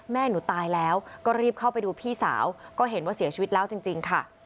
แม่หนูตายแล้วก็รีบเข้าไปดูพี่สาวก็เห็นว่าเสียชีวิตแล้วจริงค่ะ